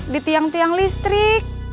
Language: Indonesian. di tiang tiang listrik